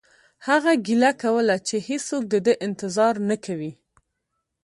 هغه ګیله کوله چې هیڅوک د ده انتظار نه کوي